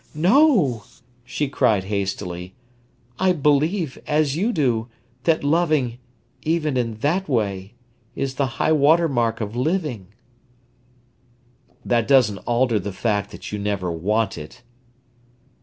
"No!" she cried hastily. "I believe, as you do, that loving, even in that way, is the high water mark of living." "That doesn't alter the fact that you never want it."